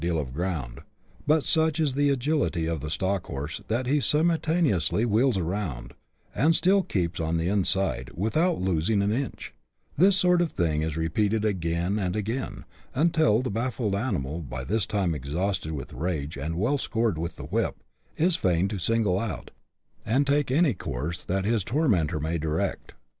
[chap, vi, deal of ground ; but such is the agility of the stock horse that he simultaneously wheels round, and still keeps on the inside, without losing an inch : this sort of thing is repeated again and again, until the baffled animal, by this time exhausted with rage and well scored with the whip, is fain to single out, and take any course that his tormentor may direct.